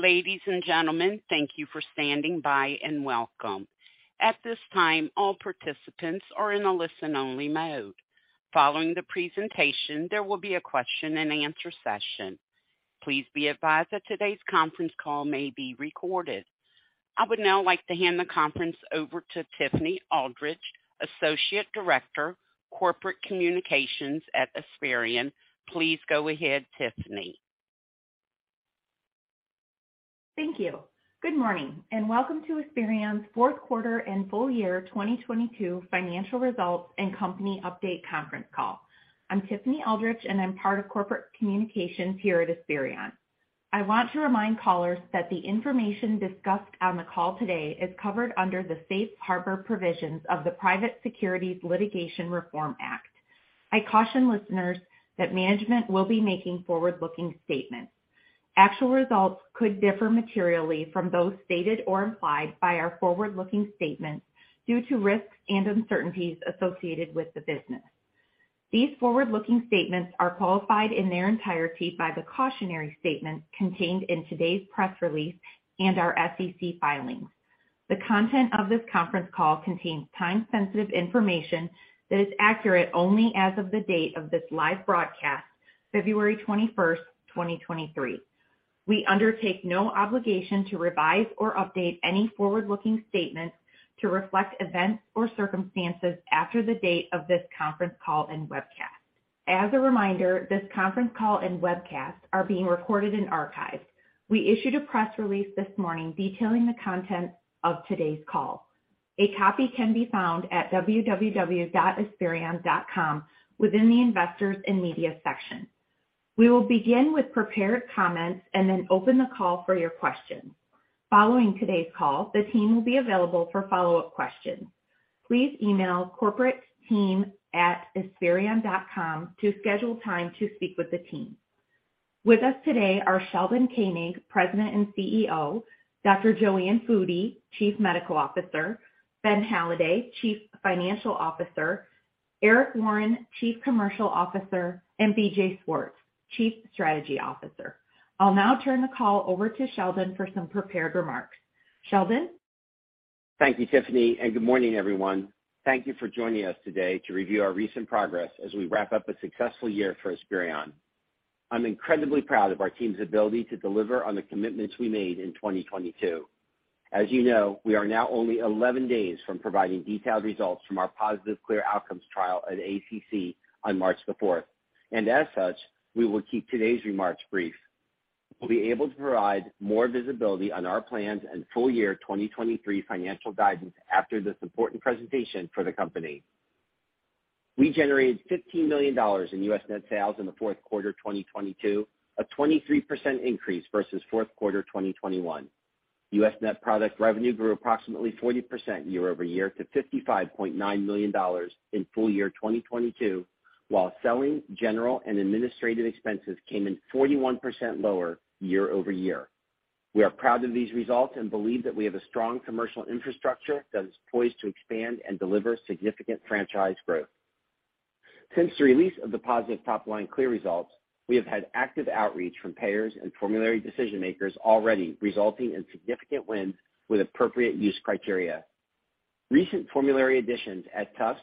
Ladies and gentlemen, thank you for standing by and welcome. At this time, all participants are in a listen-only mode. Following the presentation, there will be a question and answer session. Please be advised that today's conference call may be recorded. I would now like to hand the conference over to Tiffany Aldrich, Associate Director, Corporate Communications at Esperion. Please go ahead, Tiffany. Thank you. Good morning, welcome to Esperion's fourth quarter and full year 2022 financial results and company update conference call. I'm Tiffany Aldrich, and I'm part of corporate communications here at Esperion. I want to remind callers that the information discussed on the call today is covered under the safe harbor provisions of the Private Securities Litigation Reform Act. I caution listeners that management will be making forward-looking statements. Actual results could differ materially from those stated or implied by our forward-looking statements due to risks and uncertainties associated with the business. These forward-looking statements are qualified in their entirety by the cautionary statements contained in today's press release and our SEC filings. The content of this conference call contains time-sensitive information that is accurate only as of the date of this live broadcast, February 21st, 2023. We undertake no obligation to revise or update any forward-looking statements to reflect events or circumstances after the date of this conference call and webcast. As a reminder, this conference call and webcast are being recorded and archived. We issued a press release this morning detailing the contents of today's call. A copy can be found at www.esperion.com within the investors and media section. We will begin with prepared comments and then open the call for your questions. Following today's call, the team will be available for follow-up questions. Please email corporateteam@esperion.com to schedule time to speak with the team. With us today are Sheldon Koenig, President and CEO, Dr. JoAnne Foody, Chief Medical Officer, Ben Halladay, Chief Financial Officer, Eric Warren, Chief Commercial Officer, and BJ Swartz, Chief Strategy Officer. I'll now turn the call over to Sheldon for some prepared remarks. Sheldon? Thank you, Tiffany, and good morning, everyone. Thank you for joining us today to review our recent progress as we wrap up a successful year for Esperion. I'm incredibly proud of our team's ability to deliver on the commitments we made in 2022. As you know, we are now only 11 days from providing detailed results from our positive CLEAR Outcomes trial at ACC on March 4 2022, and as such, we will keep today's remarks brief. We'll be able to provide more visibility on our plans and full year 2023 financial guidance after this important presentation for the company. We generated $15 million in U.S. net sales in the fourth quarter 2022, a 23% increase versus fourth quarter 2021. U.S. net product revenue grew approximately 40% year-over-year to $55.9 million in full year 2022, while selling general and administrative expenses came in 41% lower year-over-year. We are proud of these results and believe that we have a strong commercial infrastructure that is poised to expand and deliver significant franchise growth. Since the release of the positive top-line CLEAR results, we have had active outreach from payers and formulary decision-makers already resulting in significant wins with appropriate use criteria. Recent formulary additions at Tufts,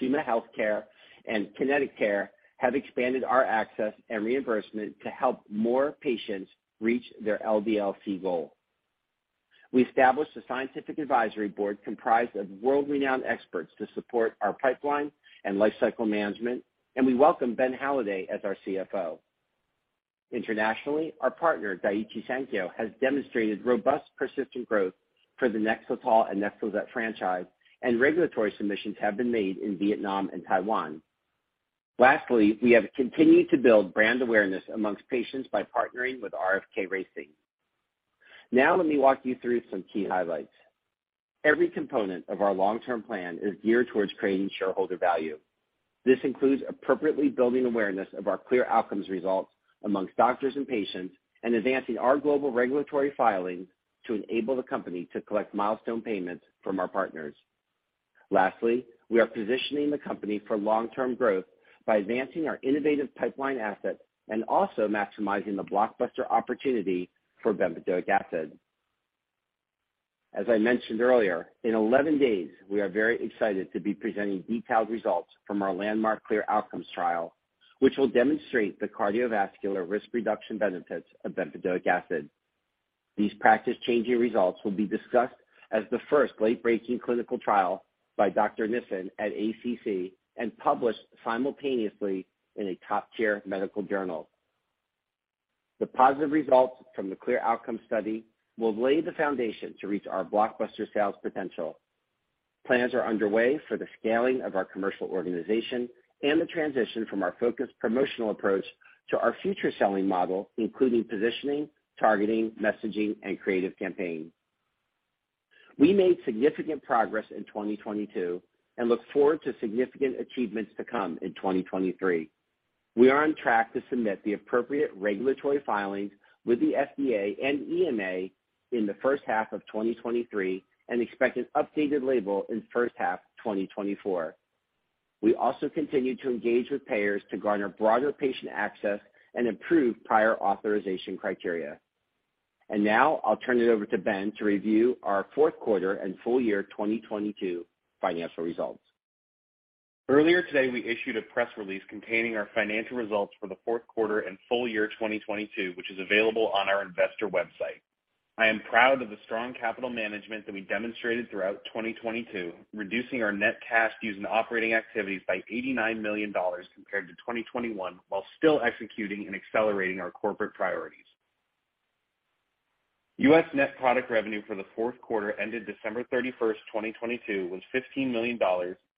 Cigna Healthcare, and ConnectiCare have expanded our access and reimbursement to help more patients reach their LDL-C goal. We established a scientific advisory board comprised of world-renowned experts to support our pipeline and lifecycle management, and we welcome Benjamin Halladay as our CFO. Internationally, our partner, Daiichi Sankyo, has demonstrated robust persistent growth for the NEXLETOL and NEXLIZET franchise. Regulatory submissions have been made in Vietnam and Taiwan. Lastly, we have continued to build brand awareness amongst patients by partnering with RFK Racing. Let me walk you through some key highlights. Every component of our long-term plan is geared towards creating shareholder value. This includes appropriately building awareness of our CLEAR Outcomes results amongst doctors and patients. Advancing our global regulatory filings to enable the company to collect milestone payments from our partners. Lastly, we are positioning the company for long-term growth by advancing our innovative pipeline assets and also maximizing the blockbuster opportunity for bempedoic acid. As I mentioned earlier, in 11 days, we are very excited to be presenting detailed results from our landmark CLEAR Outcomes trial, which will demonstrate the cardiovascular risk reduction benefits of bempedoic acid. These practice-changing results will be discussed as the first late-breaking clinical trial by Dr. Nissen at ACC and published simultaneously in a top-tier medical journal. The positive results from the CLEAR Outcomes study will lay the foundation to reach our blockbuster sales potential. Plans are underway for the scaling of our commercial organization and the transition from our focused promotional approach to our future selling model, including positioning, targeting, messaging, and creative campaigns. We made significant progress in 2022 and look forward to significant achievements to come in 2023. We are on track to submit the appropriate regulatory filings with the FDA and EMA in the first half of 2023 and expect an updated label in first half 2024. We also continue to engage with payers to garner broader patient access and improve prior authorization criteria. Now I'll turn it over to Ben to review our fourth quarter and full year 2022 financial results. Earlier today, we issued a press release containing our financial results for the fourth quarter and full year 2022, which is available on our investor website. I am proud of the strong capital management that we demonstrated throughout 2022, reducing our net cash used in operating activities by $89 million compared to 2021, while still executing and accelerating our corporate priorities. U.S. net product revenue for the fourth quarter ended December 31st, 2022 was $15 million,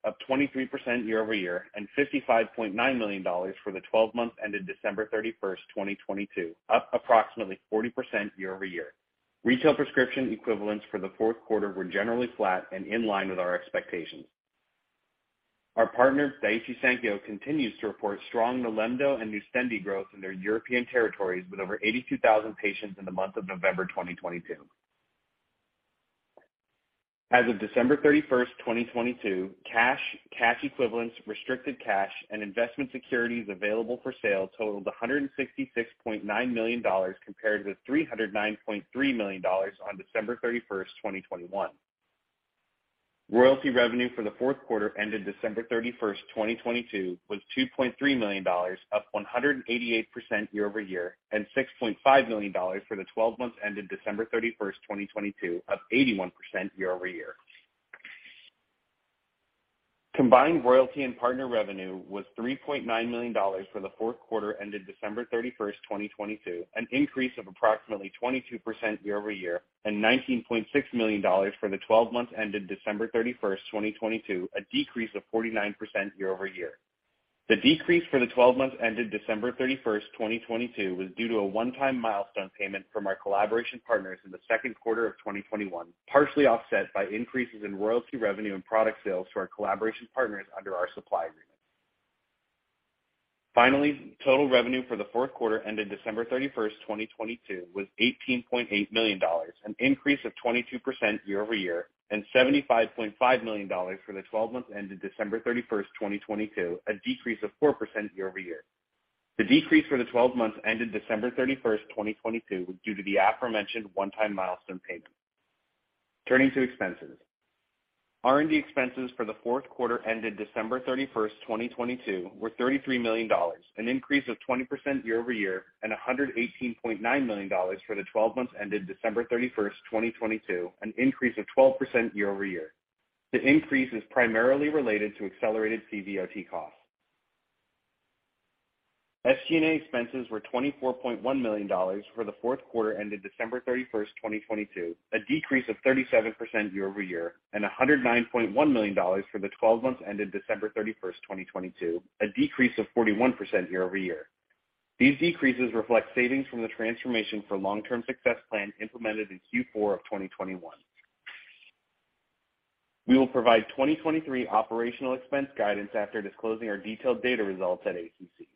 up 23% year-over-year, and $55.9 million for the 12 months ended December 31st, 2022, up approximately 40% year-over-year. Retail prescription equivalents for the fourth quarter were generally flat and in line with our expectations. Our partner, Daiichi Sankyo, continues to report strong NILEMDO and NUSTENDI growth in their European territories, with over 82,000 patients in the month of November 2022. As of December 31st, 2022, cash equivalents, restricted cash, and investment securities available for sale totaled $166.9 million, compared to $309.3 million on December 31st, 2021. Royalty revenue for the fourth quarter ended December 31st, 2022 was $2.3 million, up 188% year-over-year, and $6.5 million for the 12 months ended December 31st, 2022, up 81% year-over-year. Combined royalty and partner revenue was $3.9 million for the fourth quarter ended December 31st, 2022, an increase of approximately 22% year-over-year, $19.6 million for the 12 months ended December 31st, 2022, a decrease of 49% year-over-year. The decrease for the 12 months ended December 31st, 2022 was due to a one-time milestone payment from our collaboration partners in the second quarter of 2021, partially offset by increases in royalty revenue and product sales to our collaboration partners under our supply agreement. Finally, total revenue for the fourth quarter ended December 31st, 2022 was $18.8 million, an increase of 22% year-over-year, $75.5 million for the 12 months ended December 31st, 2022, a decrease of 4% year-over-year. The decrease for the 12 months ended December 31, 2022 was due to the aforementioned one-time milestone payment. Turning to expenses. R&D expenses for the fourth quarter ended December 31, 2022 were $33 million, an increase of 20% year-over-year, and $118.9 million for the 12 months ended December 31, 2022, an increase of 12% year-over-year. The increase is primarily related to accelerated CVOT costs. SG&A expenses were $24.1 million for the fourth quarter ended December 31, 2022, a decrease of 37% year-over-year, and $109.1 million for the 12 months ended December 31, 2022, a decrease of 41% year-over-year. These decreases reflect savings from the transformation for long-term success plan implemented in Q4 of 2021. We will provide 2023 OpEx guidance after disclosing our detailed data results at ACC.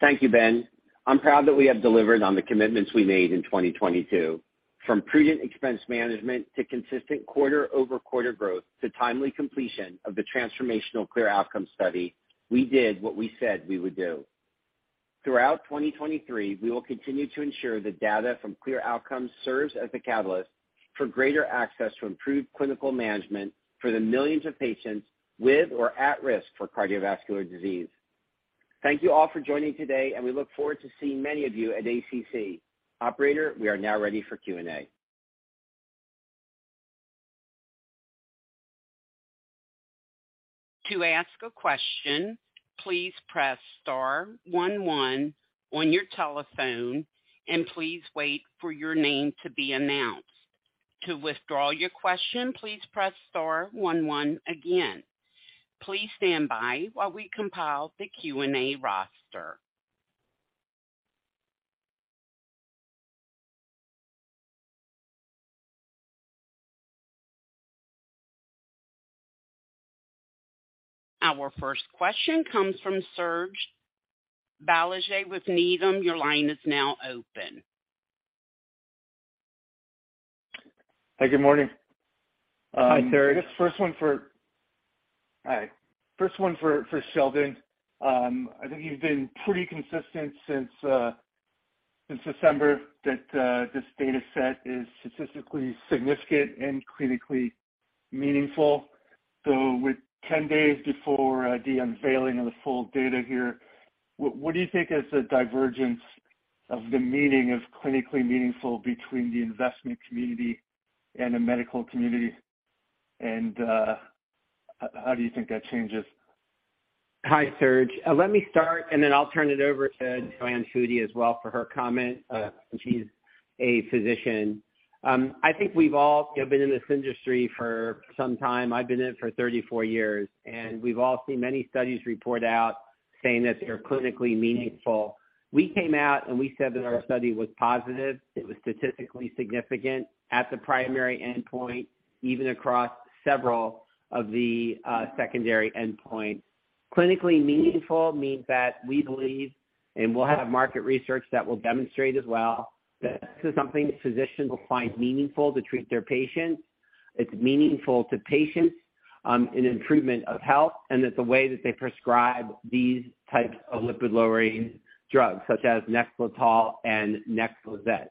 Thank you, Ben. I'm proud that we have delivered on the commitments we made in 2022. From prudent expense management to consistent quarter-over-quarter growth to timely completion of the transformational CLEAR Outcomes study, we did what we said we would do. Throughout 2023, we will continue to ensure the data from CLEAR Outcomes serves as the catalyst for greater access to improved clinical management for the millions of patients with or at risk for cardiovascular disease. Thank you all for joining today, and we look forward to seeing many of you at ACC. Operator, we are now ready for Q&A. To ask a question, please press star one one on your telephone and please wait for your name to be announced. To withdraw your question, please press star one one again. Please stand by while we compile the Q&A roster. Our first question comes from Serge Belanger with Needham. Your line is now open. Hey, good morning. Hi, Serge. I guess hi. First one for Sheldon. I think you've been pretty consistent since since December that this data set is statistically significant and clinically meaningful. With 10 days before the unveiling of the full data here, what do you think is the divergence of the meaning of clinically meaningful between the investment community and the medical community? How do you think that changes? Hi, Serge. Let me start, then I'll turn it over to JoAnne Foody as well for her comment, since she's a physician. I think we've all, you know, been in this industry for some time. I've been in it for 34 years, we've all seen many studies report out saying that they're clinically meaningful. We came out and we said that our study was positive. It was statistically significant at the primary endpoint, even across several of the secondary endpoints. Clinically meaningful means that we believe, we'll have market research that will demonstrate as well, that this is something physicians will find meaningful to treat their patients. It's meaningful to patients in improvement of health and it's a way that they prescribe these types of lipid-lowering drugs such as NEXLETOL and NEXLIZET.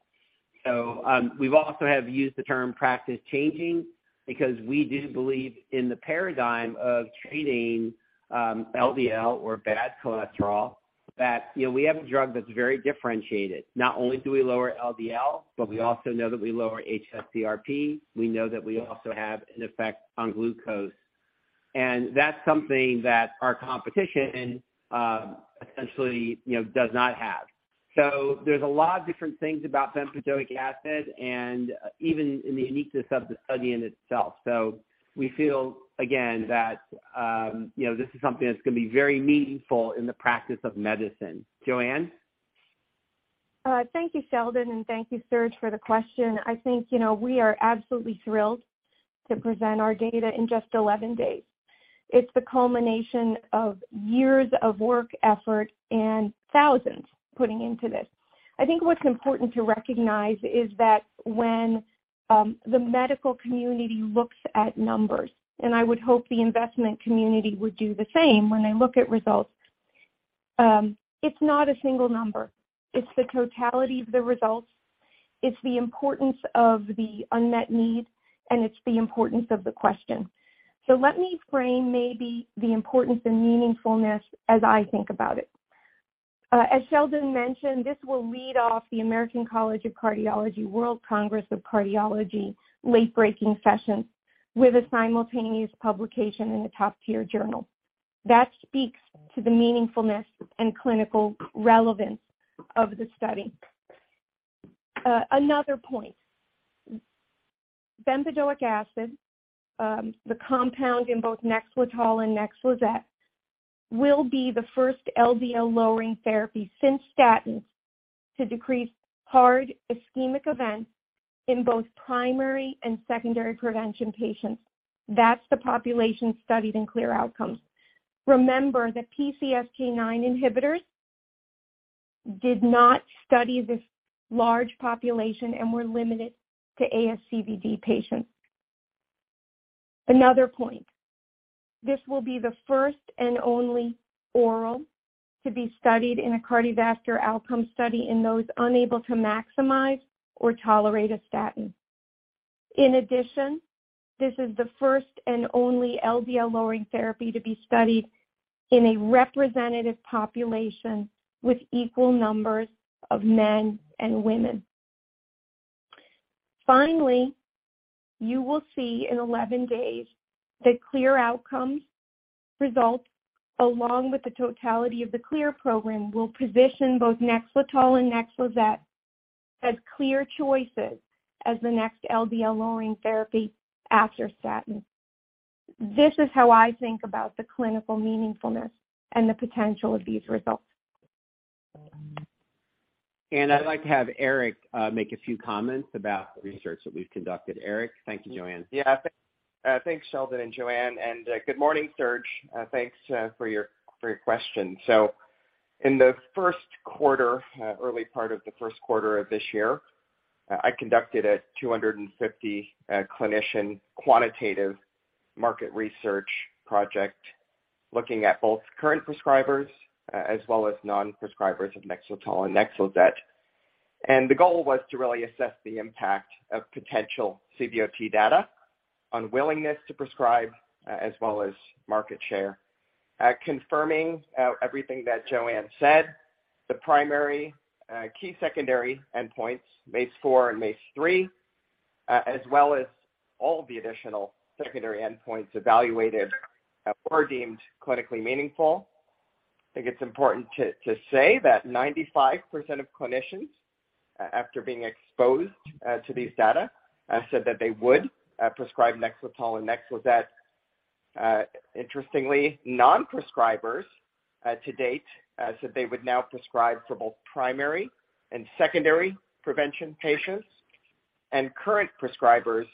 We've also have used the term practice-changing because we do believe in the paradigm of treating LDL or bad cholesterol, that, you know, we have a drug that's very differentiated. Not only do we lower LDL, but we also know that we lower hs-CRP. We know that we also have an effect on glucose. That's something that our competition, essentially, you know, does not have. There's a lot of different things about bempedoic acid and even in the uniqueness of the study in itself. We feel, again, that, you know, this is something that's gonna be very meaningful in the practice of medicine. JoAnne? Thank you, Sheldon, thank you, Serge, for the question. I think, you know, we are absolutely thrilled to present our data in just 11 days. It's the culmination of years of work effort and thousands putting into this. I think what's important to recognize is that when the medical community looks at numbers, I would hope the investment community would do the same when they look at results, it's not a single number. It's the totality of the results. It's the importance of the unmet need, it's the importance of the question. Let me frame maybe the importance and meaningfulness as I think about it. As Sheldon mentioned, this will lead off the American College of Cardiology World Congress of Cardiology late-breaking session with a simultaneous publication in a top-tier journal. That speaks to the meaningfulness and clinical relevance of the study. Another point, bempedoic acid, the compound in both NEXLETOL and NEXLIZET, will be the first LDL-lowering therapy since statins to decrease hard ischemic events in both primary and secondary prevention patients. That's the population studied in CLEAR Outcomes. Remember that PCSK9 inhibitors did not study this large population and were limited to ASCVD patients. Another point. This will be the first and only oral to be studied in a cardiovascular outcome study in those unable to maximize or tolerate a statin. In addition, this is the first and only LDL-lowering therapy to be studied in a representative population with equal numbers of men and women. Finally, you will see in 11 days that CLEAR Outcomes results, along with the totality of the CLEAR program, will position both NEXLETOL and NEXLIZET as clear choices as the next LDL-lowering therapy after statin. This is how I think about the clinical meaningfulness and the potential of these results. I'd like to have Eric make a few comments about the research that we've conducted. Eric? Thank you, JoAnne. Yeah. Thanks, Sheldon and Joanne. Good morning, Serge. Thanks for your, for your question. In the first quarter, early part of the first quarter of this year, I conducted a 250 clinician quantitative market research project looking at both current prescribers as well as non-prescribers of NEXLETOL and NEXLIZET. The goal was to really assess the impact of potential CVOT data on willingness to prescribe as well as market share. Confirming everything that Joanne said, the primary key secondary endpoints, MACE-4 and MACE-3, as well as all the additional secondary endpoints evaluated were deemed clinically meaningful. I think it's important to say that 95% of clinicians after being exposed to these data, said that they would prescribe NEXLETOL and NEXLIZET. Interestingly, non-prescribers, to date, said they would now prescribe for both primary and secondary prevention patients, and current prescribers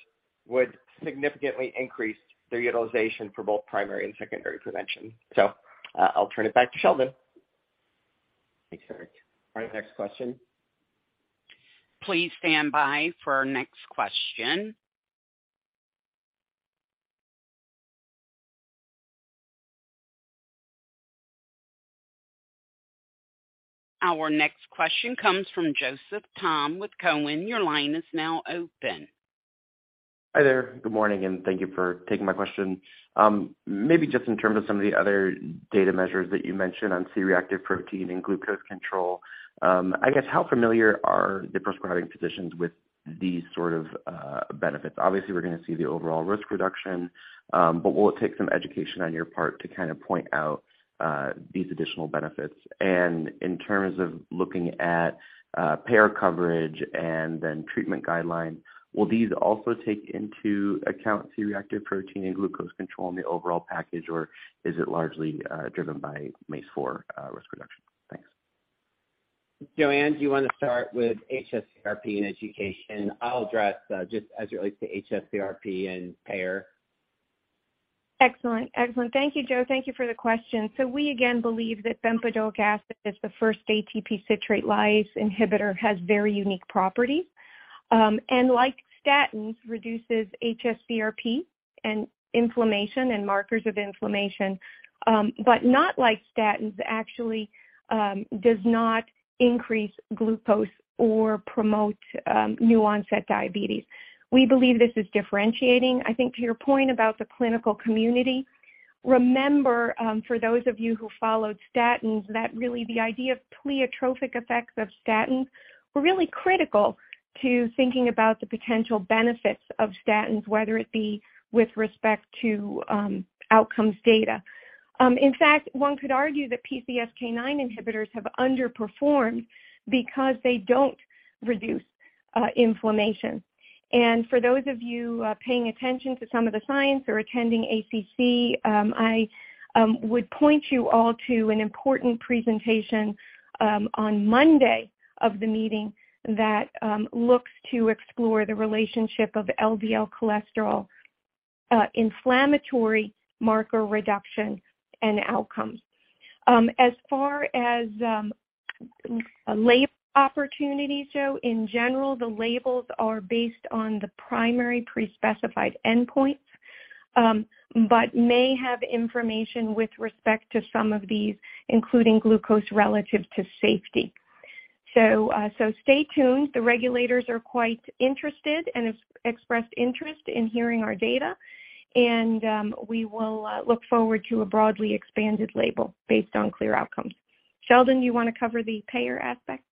would significantly increase their utilization for both primary and secondary prevention. I'll turn it back to Sheldon. Thanks, Eric. All right, next question. Please stand by for our next question. Our next question comes from Joseph Thome with Cowen. Your line is now open. Hi there. Good morning, and thank you for taking my question. Maybe just in terms of some of the other data measures that you mentioned on C-reactive protein and glucose control, I guess how familiar are the prescribing physicians with these sort of benefits? Obviously we're gonna see the overall risk reduction, but will it take some education on your part to kind of point out these additional benefits? In terms of looking at payer coverage and then treatment guidelines, will these also take into account C-reactive protein and glucose control in the overall package, or is it largely driven by MACE-4 risk reduction? Thanks. JoAnne, do you want to start with hs-CRP and education? I'll address just as it relates to hs-CRP and payer. Excellent. Excellent. Thank you, Joe. Thank you for the question. We again believe that bempedoic acid is the first ATP citrate lyase inhibitor, has very unique properties, and like statins, reduces hs-CRP and inflammation and markers of inflammation, but not like statins, actually, does not increase glucose or promote new onset diabetes. We believe this is differentiating. I think to your point about the clinical community, remember, for those of you who followed statins, that really the idea of pleiotropic effects of statins were really critical to thinking about the potential benefits of statins, whether it be with respect to outcomes data. In fact, one could argue that PCSK9 inhibitors have underperformed because they don't reduce inflammation. For those of you paying attention to some of the science or attending ACC, I would point you all to an important presentation on Monday of the meeting that looks to explore the relationship of LDL-C, inflammatory marker reduction and outcomes. As far as opportunities, Joe, in general, the labels are based on the primary pre-specified endpoints, but may have information with respect to some of these, including glucose relative to safety. Stay tuned. The regulators are quite interested and have expressed interest in hearing our data, we will look forward to a broadly expanded label based on clear outcomes. Sheldon, you wanna cover the payer aspect?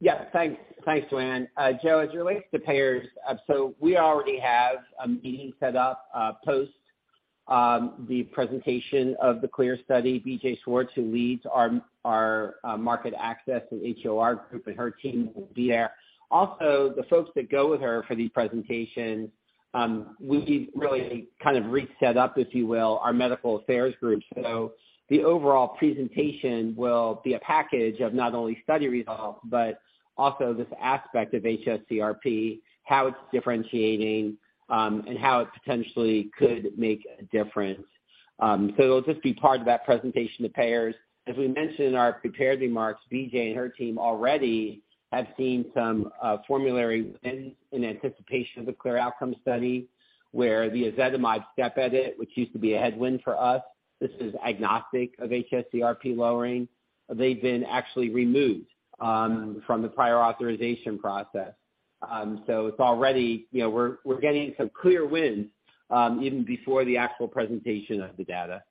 Yes. Thanks. Thanks, JoAnne. Joe, as it relates to payers, we already have a meeting set up post the presentation of the CLEAR study. BJ Swartz, who leads our market access and HEOR group and her team will be there. Also, the folks that go with her for the presentation, we really kind of re-set up, if you will, our medical affairs group. The overall presentation will be a package of not only study results, but also this aspect of hs-CRP, how it's differentiating, and how it potentially could make a difference. It'll just be part of that presentation to payers. As we mentioned in our prepared remarks, BJ and her team already have seen some formulary wins in anticipation of the CLEAR Outcome study, where the ezetimibe step edit, which used to be a headwind for us, this is agnostic of hs-CRP lowering. They've been actually removed from the prior authorization process. It's already. You know, we're getting some CLEAR wins even before the actual presentation of the data.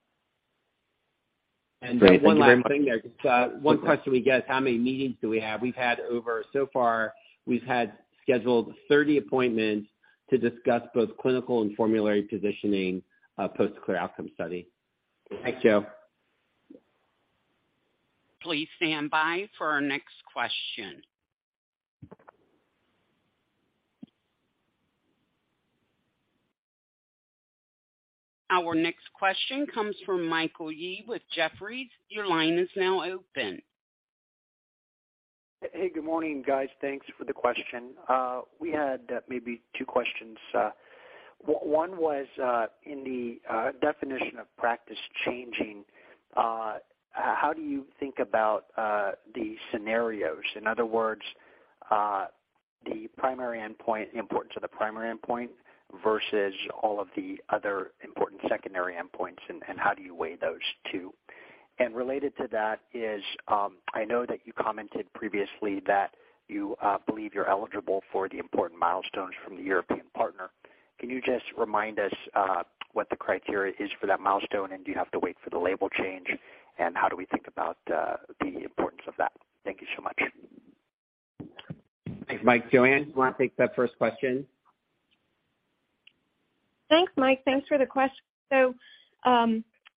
Great. Thank you very much. One last thig there. Just, one question we get is how many meetings do we have? We've had over so far, we've had scheduled 30 appointments to discuss both clinical and formulary positioning, post CLEAR Outcome study. Thanks, Joe. Please stand by for our next question. Our next question comes from Michael Yee with Jefferies. Your line is now open. Hey. Good morning, guys. Thanks for the question. We had maybe two questions. One was in the definition of practice-changing, how do you think about the scenarios? In other words, the importance of the primary endpoint versus all of the other important secondary endpoints, and how do you weigh those two? Related to that is, I know that you commented previously that you believe you're eligible for the important milestones from the European partner. Can you just remind us what the criteria is for that milestone? Do you have to wait for the label change? How do we think about the importance of that? Thank you so much. Thanks, Mike. Joanne, you wanna take that first question? Thanks, Michael. Thanks for the question.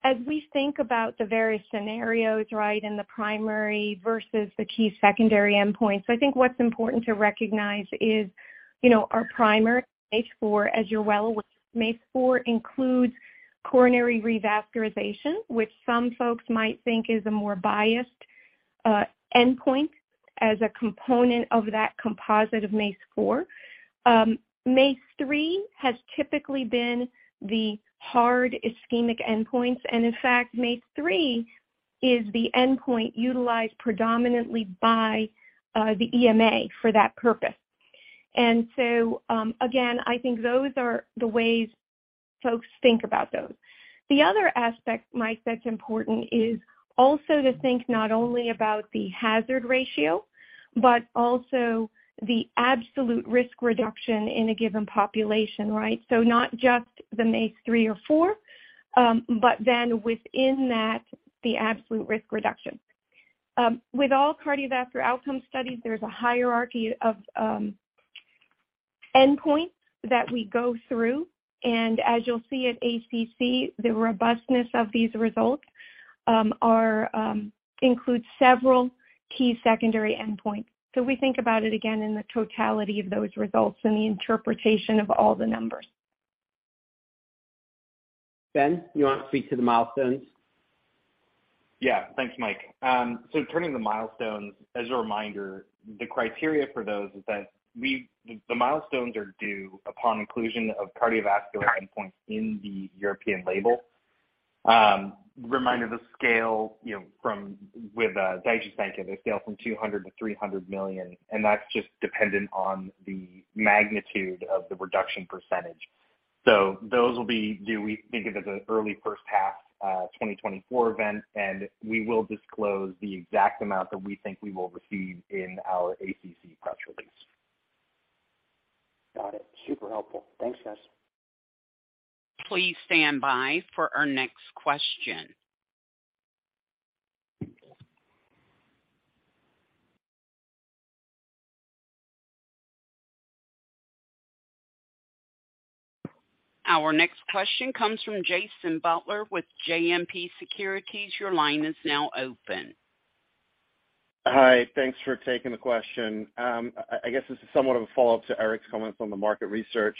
As we think about the various scenarios, right, and the primary versus the key secondary endpoints, I think what's important to recognize is, you know, our primary MACE-4, as you're well aware, MACE-4 includes coronary revascularization, which some folks might think is a more biased endpoint as a component of that composite of MACE-4. MACE-3 has typically been the hard ischemic endpoints, and in fact, MACE-3 is the endpoint utilized predominantly by the EMA for that purpose. Again, I think those are the ways folks think about those. The other aspect, Michael, that's important is also to think not only about the hazard ratio, but also the absolute risk reduction in a given population, right? Not just the MACE-3 or 4, within that, the absolute risk reduction. With all cardiovascular outcome studies, there's a hierarchy of endpoints that we go through. As you'll see at ACC, the robustness of these results include several key secondary endpoints. We think about it again in the totality of those results and the interpretation of all the numbers. Ben, you want to speak to the milestones? Yeah, thanks, Mike. Turning to the milestones, as a reminder, the criteria for those is that the milestones are due upon inclusion of cardiovascular endpoints in the European label. Reminder, the scale, you know, from with Daiichi Sankyo, they scale from $200 million-$300 million, that's just dependent on the magnitude of the reduction percentage. Those will be due, we think of as an early first half 2024 event, we will disclose the exact amount that we think we will receive in our ACC press release. Got it. Super helpful. Thanks, guys. Please stand by for our next question. Our next question comes from Jason Butler with JMP Securities. Your line is now open. Hi. Thanks for taking the question. I guess this is somewhat of a follow-up to Eric's comments on the market research.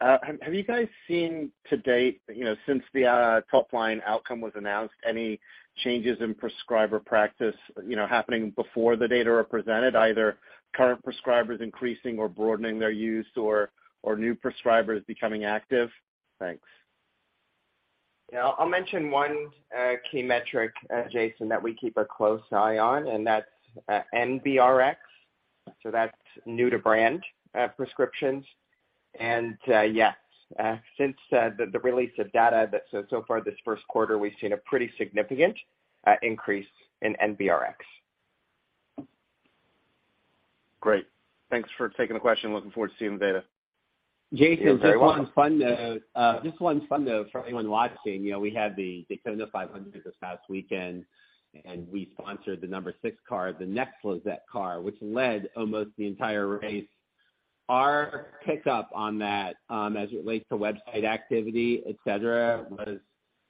Have you guys seen to date, you know, since the top-line outcome was announced, any changes in prescriber practice, you know, happening before the data are presented, either current prescribers increasing or broadening their use or new prescribers becoming active? Thanks. Yeah. I'll mention one key metric, Jason, that we keep a close eye on, and that's NBRx. That's new to brand, prescriptions. Yes, since the release of data that so far this first quarter, we've seen a pretty significant increase in NBRx. Great. Thanks for taking the question. Looking forward to seeing the data. Jason. Yeah, very welcome. Just one fun note. Just one fun note for anyone watching. You know, we had the Daytona 500 this past weekend, we sponsored the number 6 car, the NEXLETOL car, which led almost the entire race. Our pickup on that, as it relates to website activity, et cetera, was,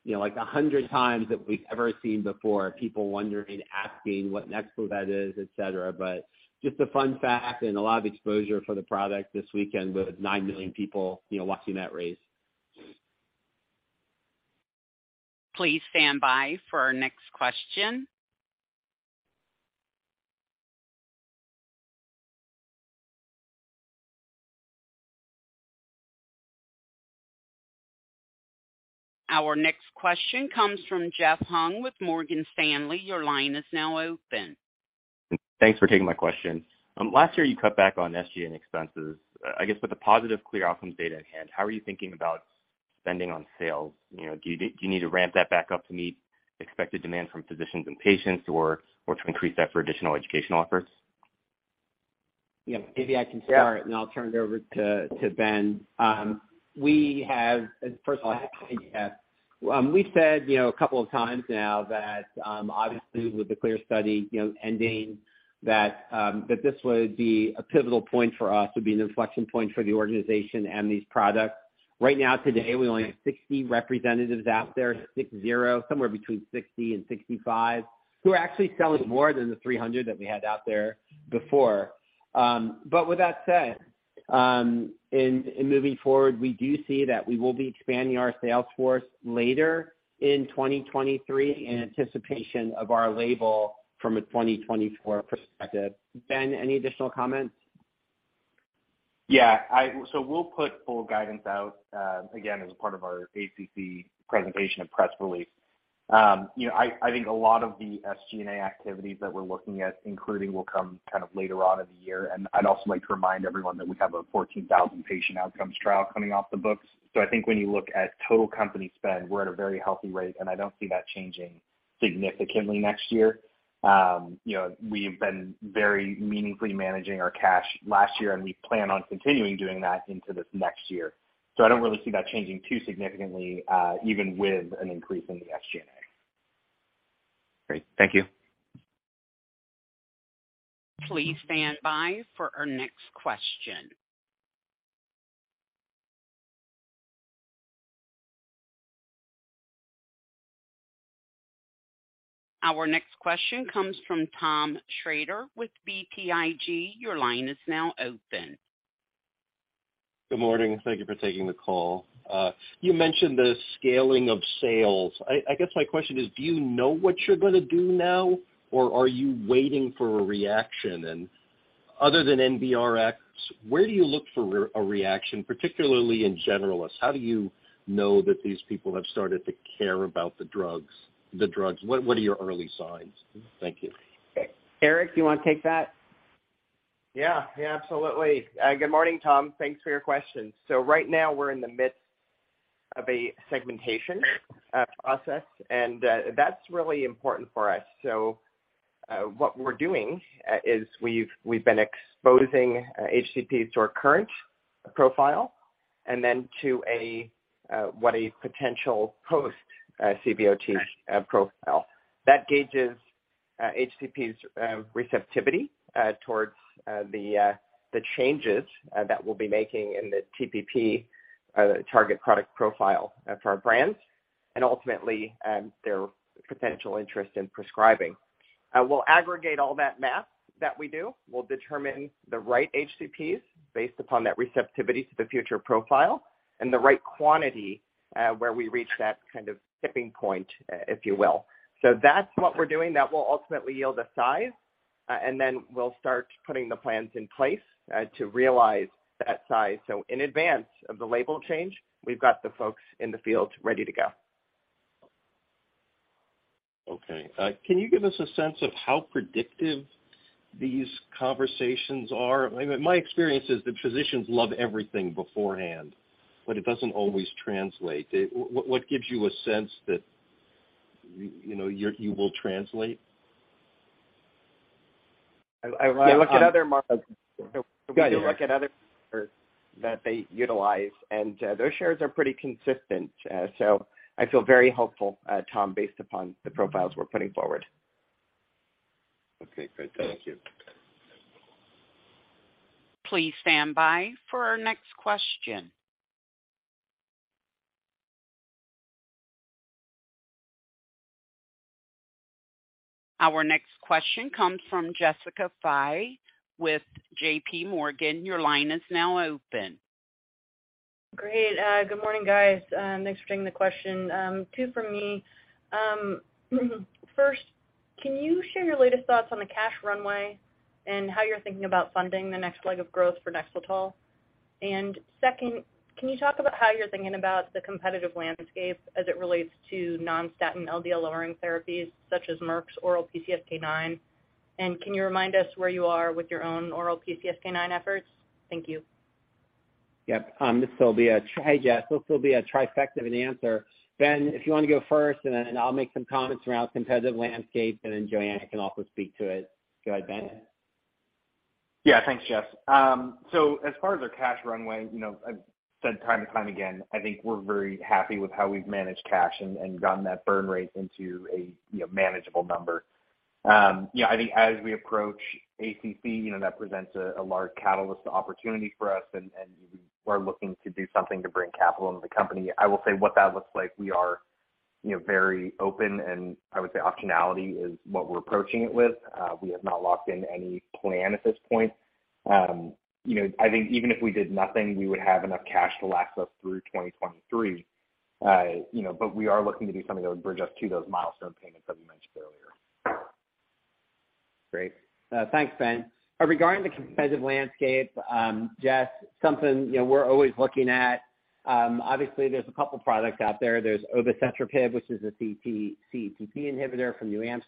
you know, like 100 times that we've ever seen before, people wondering, asking what NEXLETOL is, et cetera. Just a fun fact and a lot of exposure for the product this weekend, with 9 million people, you know, watching that race. Please stand by for our next question. Our next question comes from Jeff Hung with Morgan Stanley. Your line is now open. Thanks for taking my question. Last year you cut back on SG&A expenses. I guess with the positive CLEAR Outcomes data in hand, how are you thinking about spending on sales? You know, do you need to ramp that back up to meet expected demand from physicians and patients or to increase that for additional educational efforts? Yeah, maybe I can start...I'll turn it over to Ben. First of all, I have to say, Jeff, we said, you know, a couple of times now that, obviously with the CLEAR study, you know, ending that, this would be a pivotal point for us. It would be an inflection point for the organization and these products. Right now, today, we only have 60 representatives out there, 60, somewhere between 60 and 65, who are actually selling more than the 300 that we had out there before. With that said, moving forward, we do see that we will be expanding our sales force later in 2023 in anticipation of our label from a 2024 perspective. Ben, any additional comments? Yeah, so we'll put full guidance out again as a part of our ACC presentation and press release. You know, I think a lot of the SG&A activities that we're looking at including will come kind of later on in the year. I'd also like to remind everyone that we have a 14,000 patient outcomes trial coming off the books. I think when you look at total company spend, we're at a very healthy rate, and I don't see that changing significantly next year. You know, we've been very meaningfully managing our cash last year, and we plan on continuing doing that into this next year. I don't really see that changing too significantly, even with an increase in the SG&A. Great. Thank you. Please stand by for our next question. Our next question comes from Tom Shrader with BTIG. Your line is now open. Good morning. Thank you for taking the call. You mentioned the scaling of sales. I guess my question is, do you know what you're gonna do now, or are you waiting for a reaction? Other than NBRx, where do you look for a reaction, particularly in generalists? How do you know that these people have started to care about the drugs? What are your early signs? Thank you. Eric, you wanna take that? Yeah. Yeah, absolutely. Good morning, Tom. Thanks for your question. Right now we're in the midst of a segmentation process, and that's really important for us. What we're doing is we've been exposing HCPs to our current profile and then to a what a potential post-CVOT profile. That gauges HCP's receptivity towards the changes that we'll be making in the TPP, Target Product Profile, for our brands and ultimately their potential interest in prescribing. I will aggregate all that math that we do. We'll determine the right HCPs based upon that receptivity to the future profile and the right quantity, where we reach that kind of tipping point, if you will. That's what we're doing. That will ultimately yield a size, and then we'll start putting the plans in place to realize that size. In advance of the label change, we've got the folks in the field ready to go. Okay. Can you give us a sense of how predictive these conversations are? My experience is that physicians love everything beforehand, but it doesn't always translate. What gives you a sense that, you know, you will translate? I look at other markets. Go ahead. We do look at other that they utilize, and those shares are pretty consistent. I feel very hopeful, Tom, based upon the profiles we're putting forward. Okay, great. Thank you. Please stand by for our next question. Our next question comes from Jessica Fye with JPMorgan. Your line is now open. Great. Good morning, guys. Thanks for taking the question. Two from me. First, can you share your latest thoughts on the cash runway and how you're thinking about funding the next leg of growth for NEXLETOL? Second, can you talk about how you're thinking about the competitive landscape as it relates to non-statin LDL lowering therapies such as Merck's oral PCSK9? Can you remind us where you are with your own oral PCSK9 efforts? Thank you. Yep. hi, Jess. This will be a trifecta of an answer. Ben, if you want to go first, and then I'll make some comments around competitive landscape, and then JoAnne can also speak to it. Go ahead, Ben. Yeah. Thanks, Jess. As far as our cash runway, you know, I've said time and time again, I think we're very happy with how we've managed cash and gotten that burn rate into a, you know, manageable number. You know, I think as we approach ACC, you know, that presents a large catalyst opportunity for us, and we are looking to do something to bring capital into the company. I will say what that looks like. We are, you know, very open, and I would say optionality is what we're approaching it with. We have not locked in any plan at this point. You know, I think even if we did nothing, we would have enough cash to last us through 2023. You know, we are looking to do something that would bridge us to those milestone payments that we mentioned earlier. Great. Thanks, Ben. Regarding the competitive landscape, Jess, something, you know, we're always looking at, obviously there's a couple products out there. There's obeticholic acid, which is a CETP inhibitor from NewAmsterdam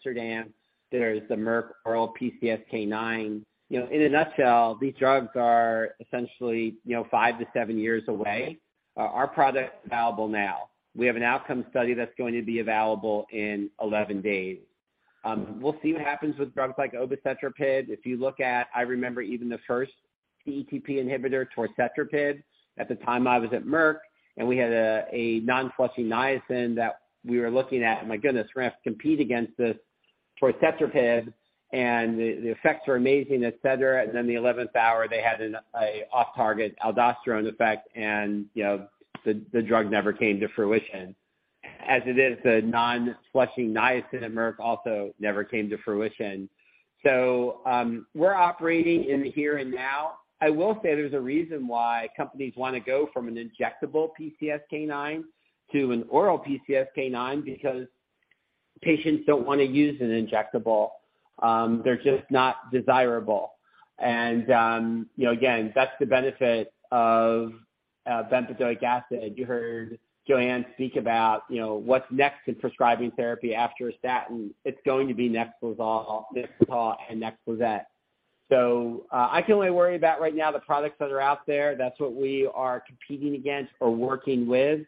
Pharma. There's the Merck oral PCSK9. You know, in a nutshell, these drugs are essentially, you know, five to seven years away. Our product is available now. We have an outcome study that's going to be available in 11 days. We'll see what happens with drugs like obeticholic acid. If you look at, I remember even the first CETP inhibitor, torcetrapib. At the time, I was at Merck, and we had a non-flushing niacin that we were looking at. My goodness, we're going to have to compete against this torcetrapib. The effects were amazing, et cetera. Then the eleventh hour, they had a off-target aldosterone effect. You know, the drug never came to fruition. As it is, the non-flushing niacin at Merck also never came to fruition. We're operating in the here and now. I will say there's a reason why companies want to go from an injectable PCSK9 to an oral PCSK9 because patients don't want to use an injectable. They're just not desirable. You know, again, that's the benefit of bempedoic acid. You heard JoAnne speak about, you know, what's next in prescribing therapy after a statin. It's going to be NEXLIZET, NEXLETOL, and NEXLIZET. I can only worry about right now the products that are out there. That's what we are competing against or working with.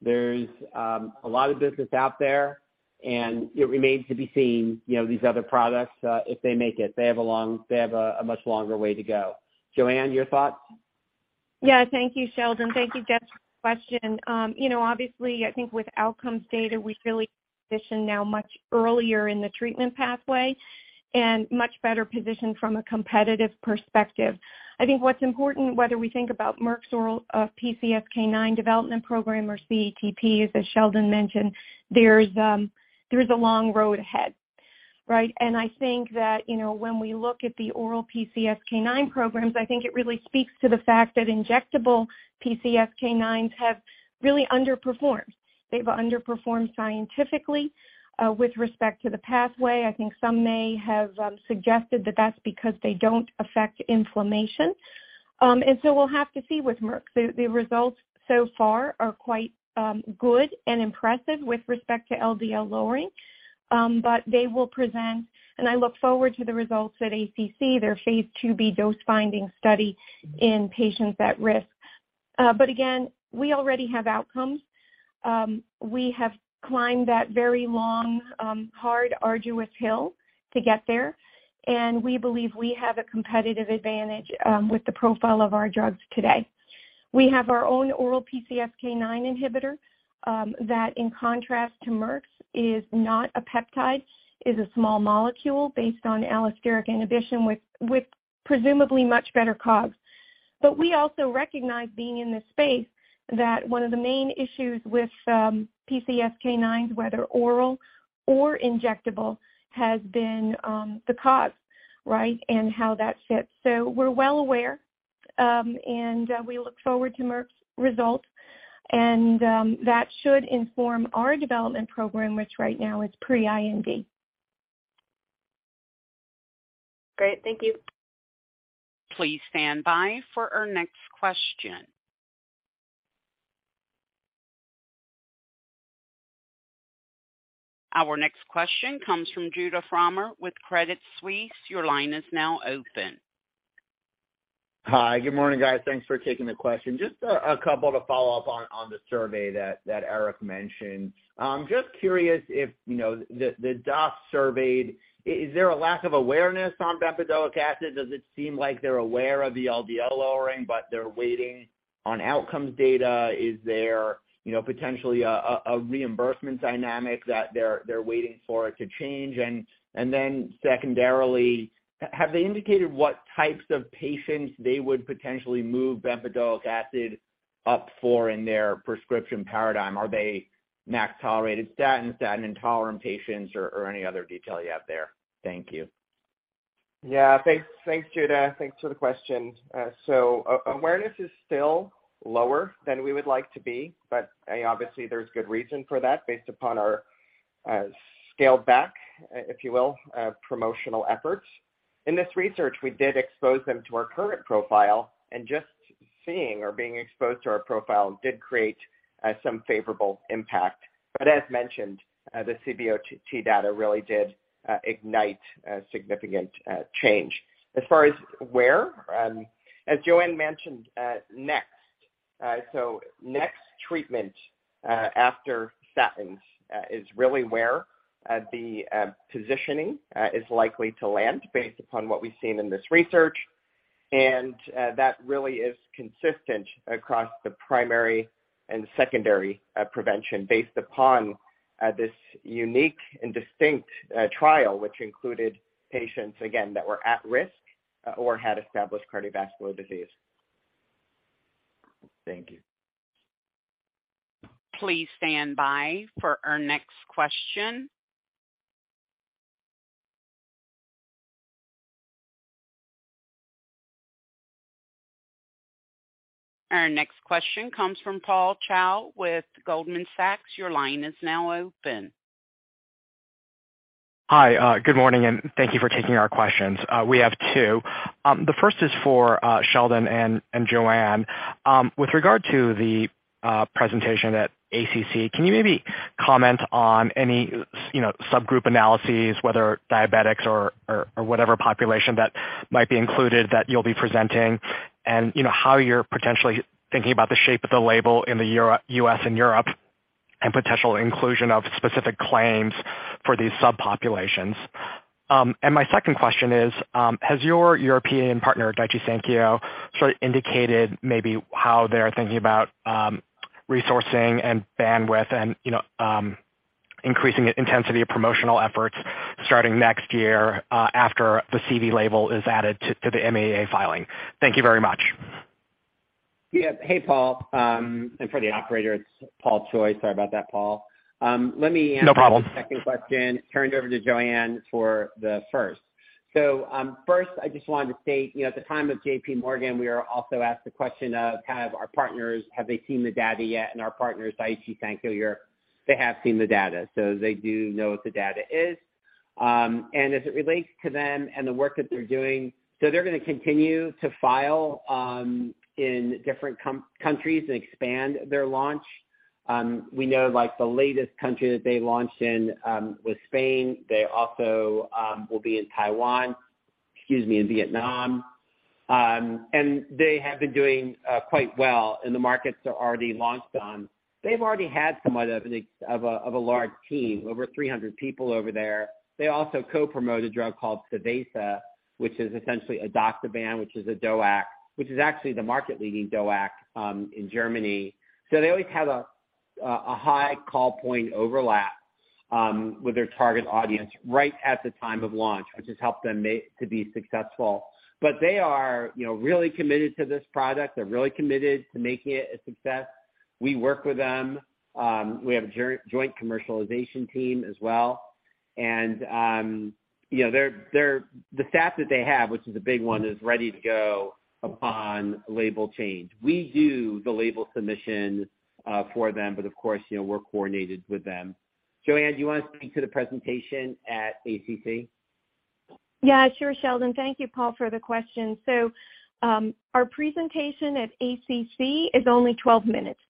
There's a lot of business out there, and it remains to be seen, you know, these other products if they make it. They have a much longer way to go. JoAnne, your thoughts? Yeah. Thank you, Sheldon. Thank you, Jess, for the question. you know, obviously, I think with outcomes data, we feel positioned now much earlier in the treatment pathway and much better positioned from a competitive perspective. I think what's important, whether we think about Merck's oral PCSK9 development program or CETP, as Sheldon mentioned, there's a long road ahead, right? I think that, you know, when we look at the oral PCSK9 programs, I think it really speaks to the fact that injectable PCSK9s have really underperformed. They've underperformed scientifically with respect to the pathway. I think some may have suggested that that's because they don't affect inflammation. We'll have to see with Merck. The results so far are quite good and impressive with respect to LDL lowering. They will present, and I look forward to the results at ACC, their phase II B dose finding study in patients at risk. Again, we already have outcomes. We have climbed that very long, hard, arduous hill to get there, and we believe we have a competitive advantage with the profile of our drugs today. We have our own oral PCSK9 inhibitor that in contrast to Merck's, is not a peptide. It's a small molecule based on allosteric inhibition with presumably much better COGS. We also recognize being in this space that one of the main issues with PCSK9, whether oral or injectable, has been the cost, right, and how that fits. We're well aware, and we look forward to Merck's results, and that should inform our development program, which right now is pre-IND. Great. Thank you. Please stand by for our next question. Our next question comes from Judah Frommer with Credit Suisse. Your line is now open. Hi. Good morning, guys. Thanks for taking the question. Just a couple to follow up on the survey that Eric mentioned. Just curious if, you know, the docs surveyed, is there a lack of awareness on bempedoic acid? Does it seem like they're aware of the LDL lowering, but they're waiting on outcomes data? Is there, you know, potentially a reimbursement dynamic that they're waiting for it to change? And then secondarily, have they indicated what types of patients they would potentially move bempedoic acid up for in their prescription paradigm? Are they max-tolerated statin-intolerant patients or any other detail you have there? Thank you. Thanks, thanks, Judah. Thanks for the question. Awareness is still lower than we would like to be, but obviously there's good reason for that based upon our scaled back, if you will, promotional efforts. In this research, we did expose them to our current profile, and just seeing or being exposed to our profile did create some favorable impact. As mentioned, the CVOT data really did ignite a significant change. As far as where, as Joanne mentioned, next. Next treatment after statins is really where the positioning is likely to land based upon what we've seen in this research. That really is consistent across the primary and secondary prevention based upon this unique and distinct trial, which included patients, again, that were at risk or had established cardiovascular disease. Thank you. Please stand by for our next question. Our next question comes from Paul Choi with Goldman Sachs. Your line is now open. Hi, good morning. Thank you for taking our questions. We have two. The first is for Sheldon Koenig and JoAnne Foody. With regard to the presentation at ACC, can you maybe comment on any, you know, subgroup analyses, whether diabetics or whatever population that might be included that you'll be presenting and, you know, how you're potentially thinking about the shape of the label in the US and Europe and potential inclusion of specific claims for these subpopulations? My second question is, has your European partner, Daiichi Sankyo, sort of indicated maybe how they're thinking about resourcing and bandwidth and, you know, increasing the intensity of promotional efforts starting next year after the CV label is added to the EMA filing? Thank you very much. Yeah. Hey, Paul. For the operator, it's Paul Choi. Sorry about that, Paul. Let me answer-. No problem. The second question. Turn it over to JoAnne for the first. First, I just wanted to state, you know, at the time of JPMorgan, we are also asked the question of kind of our partners, have they seen the data yet? Our partners, Daiichi Sankyo, they have seen the data. They do know what the data is. As it relates to them and the work that they're doing, they're gonna continue to file in different countries and expand their launch. We know like the latest country that they launched in was Spain. They also will be in Taiwan, excuse me, in Vietnam. They have been doing quite well in the markets they're already launched on. They've already had somewhat of a large team, over 300 people over there. They also co-promote a drug called SAVAYSA, which is essentially edoxaban, which is a DOAC, which is actually the market-leading DOAC in Germany. They always have a high call point overlap with their target audience right at the time of launch, which has helped them to be successful. They are, you know, really committed to this product. They're really committed to making it a success. We work with them. We have a joint commercialization team as well. You know, their staff that they have, which is a big one, is ready to go upon label change. We do the label submission for them, of course, you know, we're coordinated with them. JoAnne, do you wanna speak to the presentation at ACC? Yeah, sure, Sheldon. Thank you, Paul, for the question. Our presentation at ACC is only 12 minutes.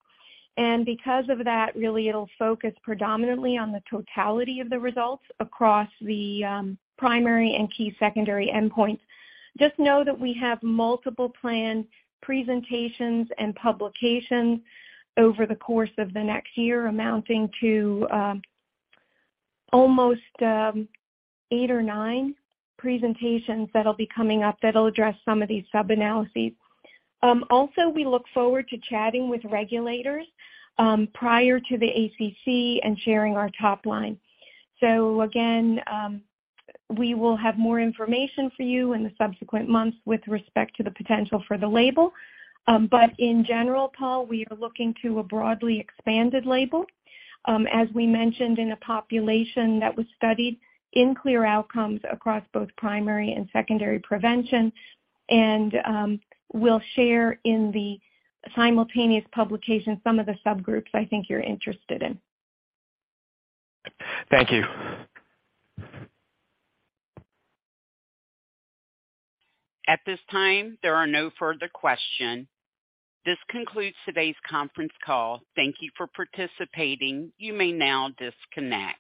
Because of that, really, it'll focus predominantly on the totality of the results across the primary and key secondary endpoints. Just know that we have multiple planned presentations and publications over the course of the next year amounting to almost eight or nine presentations that'll be coming up that'll address some of these sub-analyses. Also, we look forward to chatting with regulators prior to the ACC and sharing our top line. Again, we will have more information for you in the subsequent months with respect to the potential for the label. In general, Paul, we are looking to a broadly expanded label, as we mentioned, in a population that was studied in CLEAR Outcomes across both primary and secondary prevention. We'll share in the simultaneous publication some of the subgroups I think you're interested in. Thank you. At this time, there are no further question. This concludes today's conference call. Thank you for participating. You may now disconnect.